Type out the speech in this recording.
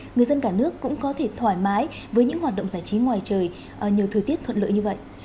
người dân cả nước cũng có thể thoải mái với những hoạt động giải trí ngoài trời nhờ thời tiết thuận lợi như vậy